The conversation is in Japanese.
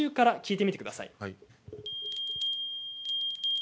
真鍮から聞いてみてください。